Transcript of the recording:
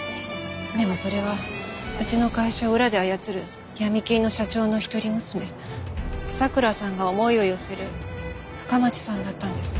でもそれはうちの会社を裏で操る闇金の社長の一人娘咲良さんが思いを寄せる深町さんだったんです。